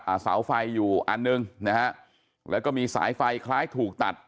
เสาไฟอยู่อันหนึ่งนะฮะแล้วก็มีสายไฟคล้ายถูกตัด